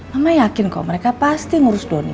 mama yakin kok mereka pasti ngurus doni